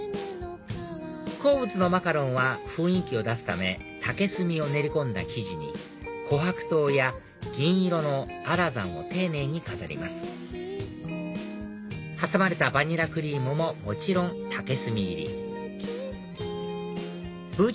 鉱物のマカロンは雰囲気を出すため竹炭を練り込んだ生地に琥珀糖や銀色のアラザンを丁寧に飾ります挟まれたバニラクリームももちろん竹炭入りブー！